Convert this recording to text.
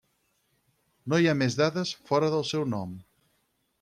No hi ha més dades fora del seu nom.